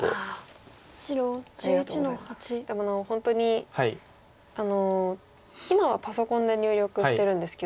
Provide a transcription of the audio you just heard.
でも本当に今はパソコンで入力してるんですけど。